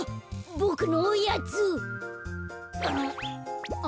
ボクのおやつ。